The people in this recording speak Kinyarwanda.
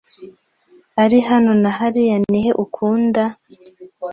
Ari hano na hariya nihe ukunda ?